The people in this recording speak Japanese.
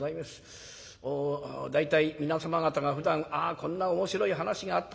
大体皆様方がふだん「あこんな面白い話があった。